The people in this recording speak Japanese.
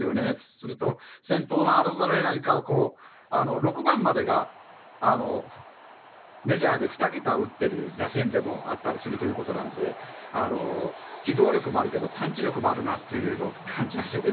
それと、先頭のアロザレーナ以下６番までがメジャーで２桁を打っている打線でもあったりするので機動力もあるけど、パンチ力もあるのを感じますよね。